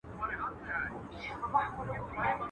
په ډېرو ئې لېوني خوشاله کېږي.